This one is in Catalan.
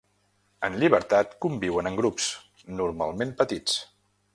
En llibertat conviuen en grups, normalment petits.